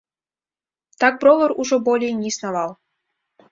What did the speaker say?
Так бровар ужо болей не існаваў.